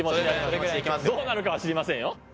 どうなるかは知りませんよ。